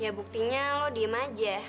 ya buktinya lo diem aja